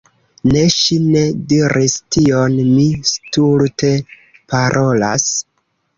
Ne, ŝi ne diris tion, mi stulte parolas.